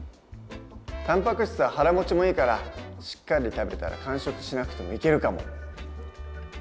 たんぱく質は腹もちもいいからしっかり食べたら間食しなくてもいけるかも。